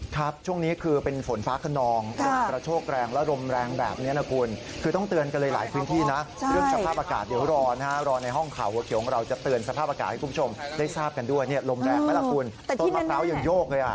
ช่วงนี้คือเป็นฝนฟ้าขนองลมกระโชกแรงและลมแรงแบบนี้นะคุณคือต้องเตือนกันเลยหลายพื้นที่นะเรื่องสภาพอากาศเดี๋ยวรอนะฮะรอในห้องข่าวหัวเขียวของเราจะเตือนสภาพอากาศให้คุณผู้ชมได้ทราบกันด้วยเนี่ยลมแรงไหมล่ะคุณต้นมะพร้าวยังโยกเลยอ่ะ